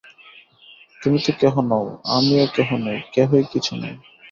তুমি তো কেহ নও, আমিও কেহ নই, কেহই কিছু নয়।